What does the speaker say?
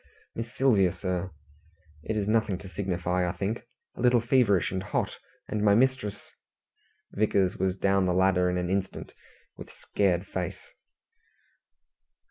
"Miss Sylvia, sir. It is nothing to signify, I think. A little feverish and hot, and my mistress " Vickers was down the ladder in an instant, with scared face.